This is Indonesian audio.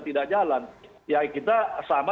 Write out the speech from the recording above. tidak jalan ya kita sama